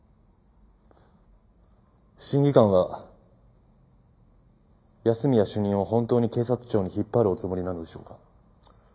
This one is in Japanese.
審議官は安洛主任を本当に警察庁に引っ張るおつもりなのでしょうか？